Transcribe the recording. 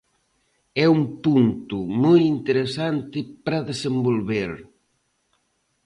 É un punto moi interesante para desenvolver.